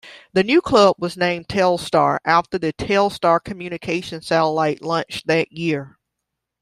The new club was named Telstar, after the Telstar communication satellite launched that year.